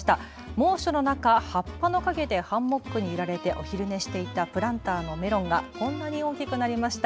猛暑の中、葉っぱの陰でハンモックに揺られてお昼寝していたプランターのメロンがこんなに大きくなりました。